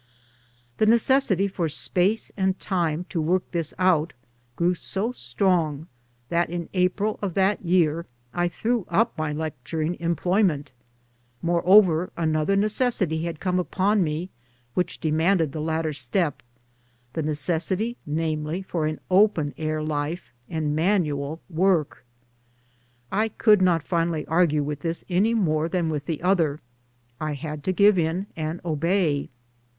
The necessity for space and time to work this out grew so strong that in April of that year I threw up my lecturing employment. Moreover another necessity had come upon me which demanded the latter step — the necessity namely for an open air life and manual work. I could not finally argue with this any more than with the other, I had to give in and obey.